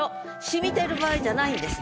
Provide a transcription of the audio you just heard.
染みてる場合じゃないんです。